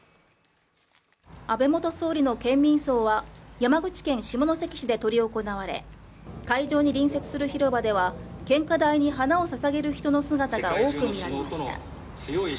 安倍元総理の県民葬は山口県下関市で執り行われ会場に隣接する広場では、献花台に花をささげる人の姿が多く見られました。